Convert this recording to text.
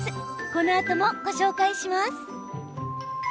このあとも、ご紹介します。